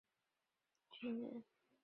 山梨半造日本陆军军人。